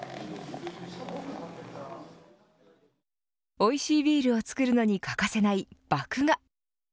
おいしいビールを造るのに欠かせない麦芽。